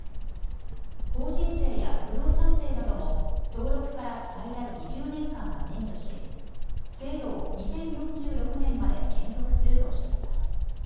法人税や不動産税なども登録から最大２０年間は免除し、制度を２０４６年まで継続するとしています。